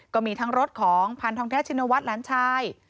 ก็มีทั้งรถของพันธองแท้ชินวัฒน์หลานชาย